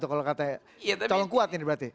kalau kata calon kuat ini berarti